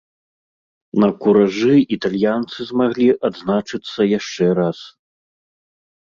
На куражы італьянцы змаглі адзначыцца яшчэ раз.